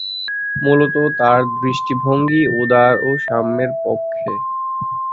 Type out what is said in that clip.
মুলত তার দৃষ্টিভঙ্গি উদার ও সাম্যের পক্ষে।